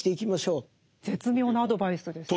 絶妙なアドバイスですよね。